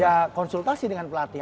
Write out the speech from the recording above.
ya konsultasi dengan pelatih